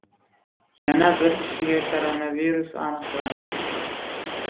Yana bir kishida koronavirus aniqlandi.